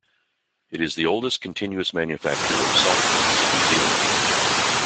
It is the oldest continuous manufacturer of soft drinks in New Zealand.